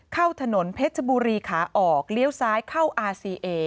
เข้าถนนเพชรบุรีขาออกเลี้ยวซ้ายเข้าอาซีเอ